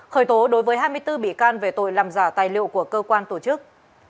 khởi tố đối với hai mươi bốn bị can về tội làm giả tài liệu của cơ quan tổ chức